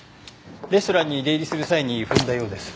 レストランに出入りする際に踏んだようです。